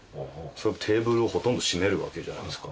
テーブルをほとんど占めるわけじゃないですか。